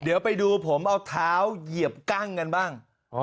เดี๋ยวไปดูผมเอาเท้าเหยียบกั้งกันบ้าง